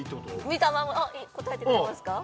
見たまま答えてくれますか？